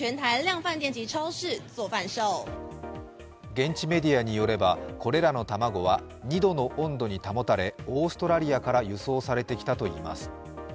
現地メディアによれば、これらの卵は２度の温度に保たれ、オーストラリアから輸送されてきたといいます。